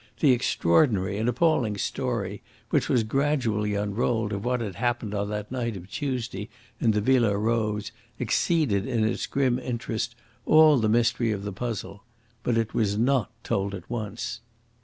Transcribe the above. The extraordinary and appalling story which was gradually unrolled of what had happened on that night of Tuesday in the Villa Rose exceeded in its grim interest all the mystery of the puzzle. But it was not told at once.